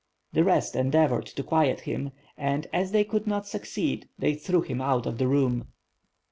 The rest endeavored to quiet him, and, as they could not' succeed, they threw him out of the room.